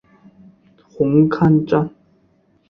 红磡站。